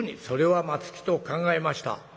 「それは松木と考えました。